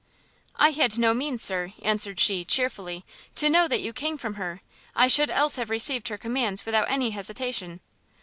"I had no means, Sir," answered she, chearfully, "to know that you came from her: I should else have received her commands without any hesitation."